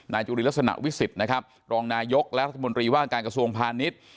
จุลินลักษณะวิสิทธิ์นะครับรองนายกและรัฐมนตรีว่าการกระทรวงพาณิชย์